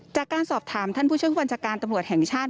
จากการสอบถามท่านผู้เชื่อมคุณฝันจักรตระบวชแห่งชาติ